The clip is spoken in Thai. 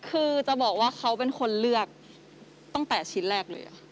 คือจะบอกว่าเขาเป็นคนเลือกตั้งชิ้นแรกเลย